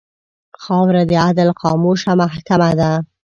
خاوره د عدل خاموشه محکمـه ده.